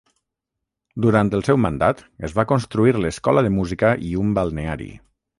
Durant el seu mandat es va construir l'Escola de Música i un balneari.